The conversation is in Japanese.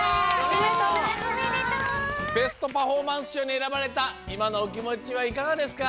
ベストパフォーマンスしょうにえらばれたいまのおきもちはいかがですか？